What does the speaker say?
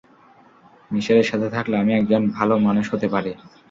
মিশেলের সাথে থাকলে আমি একজন ভালে মানুষ হতে পারি।